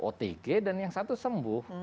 otg dan yang satu sembuh